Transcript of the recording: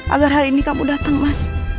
agar hari ini kamu datang mas